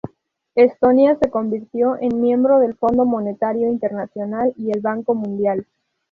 Estonia se convirtió en miembro del Fondo Monetario Internacional y el Banco Mundial.